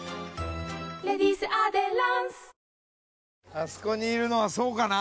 あそこにいるのはそうかな？